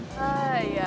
ya udah deh